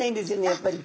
やっぱり。